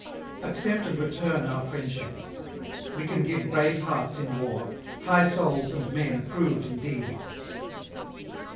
Accept and return our friendship. We can give brave hearts in war, high souls and men approved in deeds.'